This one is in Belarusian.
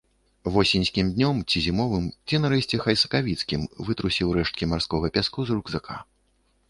Восеньскім днём, ці зімовым, ці нарэшце хай сакавіцкім вытрусіў рэшткі марскога пяску з рукзака.